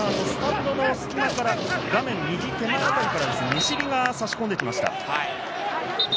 この時間、スタンドの隙間から画面右手前から西日が差し込んできました。